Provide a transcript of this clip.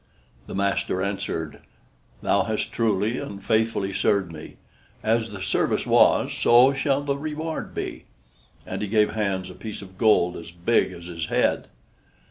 The master answered: "Thou hast truly and faithfully served me; as the service was, so shall the reward be." And he gave Hans a piece of gold as big as his head.